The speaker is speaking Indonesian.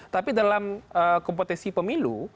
tapi dalam kompetisi pemilu